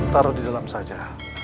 taruh di dalam saja